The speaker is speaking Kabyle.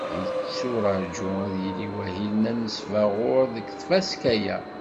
Yetturaǧu, ad yili wahil d anesbaɣur deg tfaska-a.